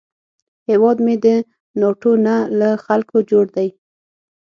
هیواد مې د ناټو نه، له خلکو جوړ دی